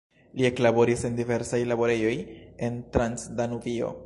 Li eklaboris en diversaj laborejoj en Transdanubio.